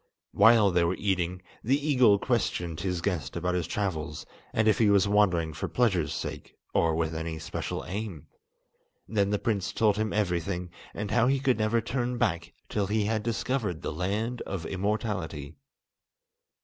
While they were eating, the eagle questioned his guest about his travels, and if he was wandering for pleasure's sake, or with any special aim. Then the prince told him everything, and how he could never turn back till he had discovered the Land of Immortality.